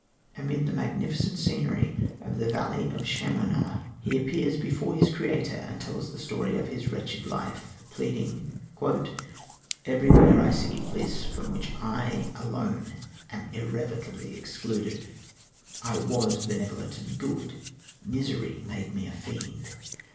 Amid the magnificent scenery of the Valley of Chamounix he appears before his creator, and tells the story of his wretched life, pleading: "Everywhere I see bliss from which I alone am irrevocably excluded. I was benevolent and good; misery made me a fiend.